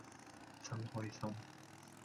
真開心